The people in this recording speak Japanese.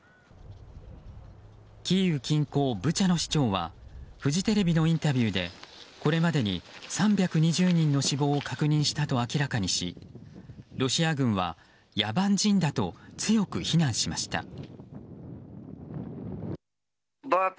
キーウ近郊ブチャの市長はフジテレビのインタビューでこれまでに３２０人の死亡を確認したと明らかにしロシア軍は野蛮人だと強く非難しました。